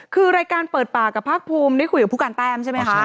คือรายการเปิดปากกับภาคภูมิได้คุยกับผู้การแต้มใช่ไหมคะ